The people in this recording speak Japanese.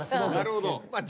なるほど。